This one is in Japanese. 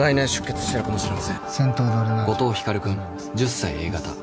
後藤光君１０歳Ａ型。